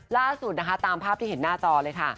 ล่าสุดนะคะตามภาพที่เห็นหน้าจอเลยค่ะ